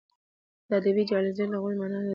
د ادبي جعلسازۍ لغوي مانا د ادب ټګي ده.